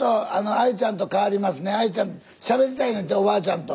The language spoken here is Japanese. ＡＩちゃんしゃべりたいねんておばあちゃんと。